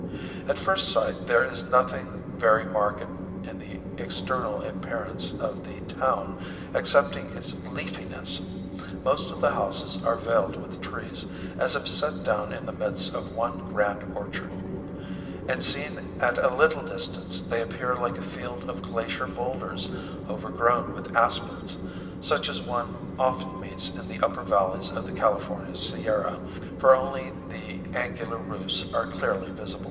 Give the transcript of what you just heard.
At first sight there is nothing very marked in the external appearance of the town excepting its leafiness. Most of the houses are veiled with trees, as if set down in the midst of one grand orchard; and seen at a little distance they appear like a field of glacier boulders overgrown with aspens, such as one often meets in the upper valleys of the California Sierra, for only the angular roofs are clearly visible.